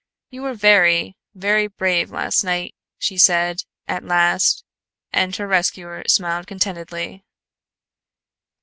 "You were very, very brave last night," she said at last and her rescuer smiled contentedly.